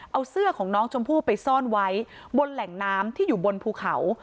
เอาเสื้อของน้องชมพู่ไปซ่อนไว้บนแหล่งน้ำที่อยู่บนภูเขา